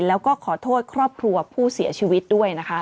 แล้วก็ขอโทษครอบครัวผู้เสียชีวิตด้วยนะคะ